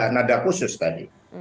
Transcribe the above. nada khusus tadi